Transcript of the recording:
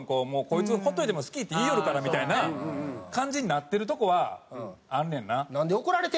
こいつほっといても「好き」って言いよるからみたいな感じになってるとこはあんねんな。